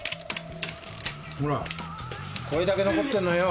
ほらこれだけ残ってんのよ。